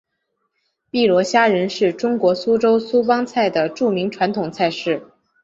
碧螺虾仁是中国苏州苏帮菜的著名传统菜式。